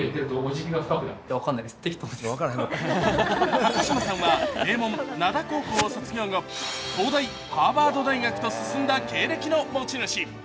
高島さんは名門灘高校を卒業後、東大、ハーバード大学と進んだ経歴の持ち主。